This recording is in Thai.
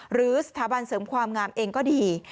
หรือสถาบันเสริมความงามเองก็ดี